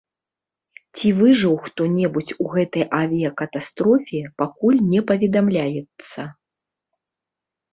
Ці выжыў хто-небудзь у гэтай авіякатастрофе, пакуль не паведамляецца.